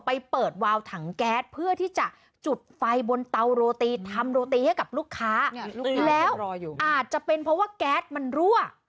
ไปเปิดวาวถังแก๊สเพื่อที่จะจุดไฟบนเตาโรตีทำโรตีให้กับลูกค้าแล้วอาจจะเป็นเพราะว่าแก๊สมันรั่ว